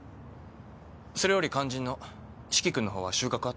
それより肝心の四鬼君の方は収穫あった？